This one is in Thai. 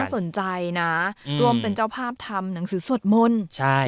สนใจนะร่วมเป็นเจ้าภาพทำหนังสือสวดมนต์ใช่